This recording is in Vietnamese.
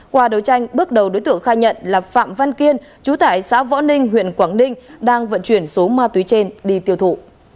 qua đấu tranh bước đầu đối tượng khai nhận là phạm văn kiên chú tại xã võ ninh huyện quảng ninh đang vận chuyển số ma túy trên đi tiêu thụ